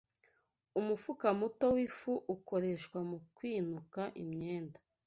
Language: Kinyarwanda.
umufuka muto w'ifu ukoreshwa mu kwinuka imyenda